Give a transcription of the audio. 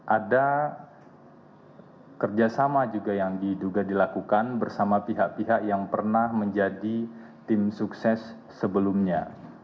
ada kerjasama juga yang diduga dilakukan bersama pihak pihak yang pernah menjadi tim sukses sebelumnya